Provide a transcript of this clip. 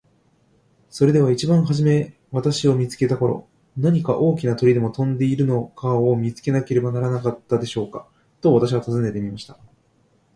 「それでは一番はじめ私を見つけた頃、何か大きな鳥でも空を飛んでいるのを見かけなかったでしょうか。」と私は尋ねてみました。